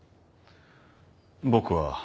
僕は。